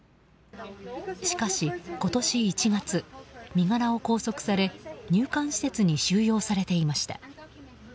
しかし、今年１月身柄を拘束され入管施設に収容されていました。